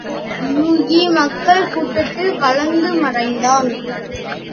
யூகி மக்கள் கூட்டத்தில் கலந்து மறைந்தான்.